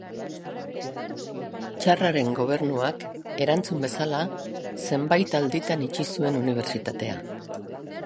Tsarraren gobernuak, erantzun bezala, zenbait alditan itxi zuen unibertsitatea.